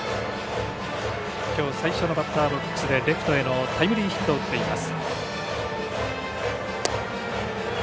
きょうの最初のバッターボックスでレフトへのタイムリーヒットを打っています。